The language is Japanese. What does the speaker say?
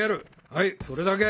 はいそれだけ。